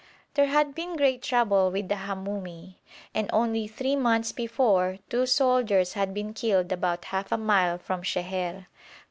There had been great trouble with the Hamoumi, and only three months before two soldiers had been killed about half a mile from Sheher.